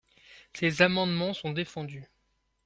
Ces amendements sont défendus.